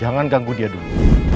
jangan ganggu dia dulu